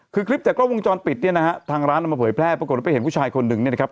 คือคลิปจากกล้องวงจรปิดเนี่ยนะฮะทางร้านเอามาเผยแพร่ปรากฏว่าไปเห็นผู้ชายคนหนึ่งเนี่ยนะครับ